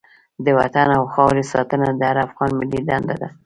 د وطن او خاورې ساتنه د هر افغان ملي دنده ده.